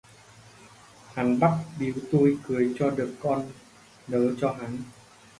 Hắn bắt bíu tui cưới cho được con nớ cho hắn